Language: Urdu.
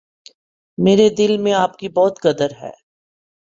میرے دل میں آپ کی بہت قدر ہے۔